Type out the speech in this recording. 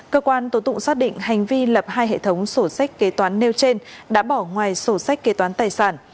cơ quan tố tụng xác định hành vi lập hai hệ thống sổ sách kế toán nêu trên đã bỏ ngoài sổ sách kế toán tài sản